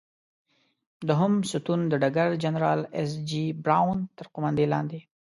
دوهم ستون د ډګر جنرال ایس جې براون تر قوماندې لاندې.